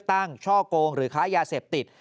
คดีทุจจฤทธิ์เลือกตั้งช่อโกงหรือค้ายาเสพติด